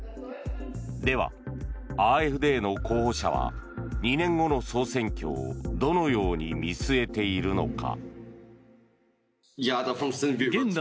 では、ＡｆＤの候補者は２年後の総選挙をどのように見据えているのか。